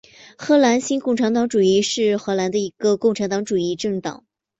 荷兰新共产党是荷兰的一个共产主义政党。